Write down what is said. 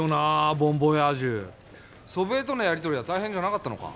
ボン・ヴォヤージュ祖父江とのやりとりは大変じゃなかったのか？